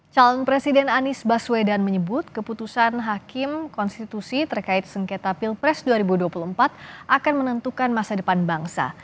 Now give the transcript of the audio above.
calon presiden anies baswedan menyebut keputusan hakim konstitusi terkait sengketa pilpres dua ribu dua puluh empat akan menentukan masa depan bangsa